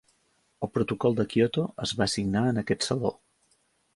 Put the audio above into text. El protocol de Kyoto es va signar en aquest saló.